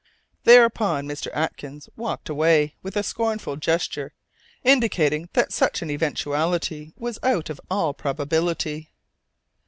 Thereupon Mr. Atkins walked away, with a scornful gesture, indicating that such an eventuality was out of all probability.